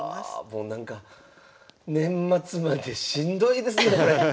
もうなんか年末までしんどいですねこれ。